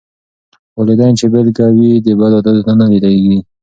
والدين چې بېلګه وي، بد عادتونه نه لېږدېږي.